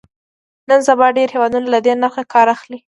نن سبا ډېری هېوادونه له دې نرخ کار اخلي.